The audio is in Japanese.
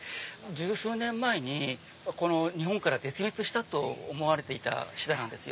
１０数年前にこの日本から絶滅したと思われていたシダです。